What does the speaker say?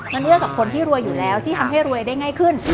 มันเลือกกับคนที่รวยอยู่แล้วที่ทำให้รวยได้ง่ายขึ้น